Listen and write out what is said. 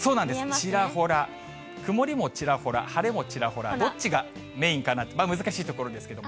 ちらほら、曇りもちらほら、晴れもちらほら、どっちがメインかなと、難しいところですけれども。